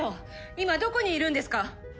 今どこにいるんですか？